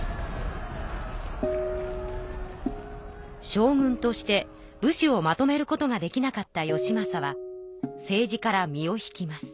将軍として武士をまとめることができなかった義政は政治から身を引きます。